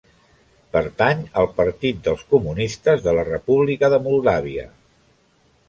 Pertany al Partit dels Comunistes de la República de Moldàvia.